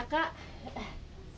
oke kita ambil biar cepet